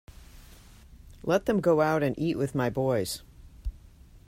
Let them go out and eat with my boys.